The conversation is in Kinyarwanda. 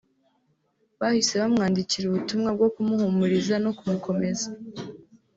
bahise bamwandikira ubutumwa bwo kumuhumuriza no kumukomeza